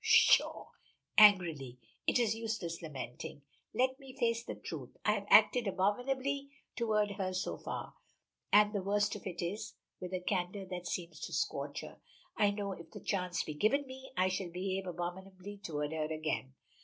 Pshaw!" angrily, "it is useless lamenting. Let me face the truth. I have acted abominably toward her so far, and the worst of it is" with a candor that seems to scorch her "I know if the chance be given me, I shall behave abominably toward her again.